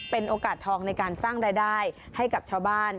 เป็นโอกาสทองในการสร้างรายได้ให้กับชาวบ้าน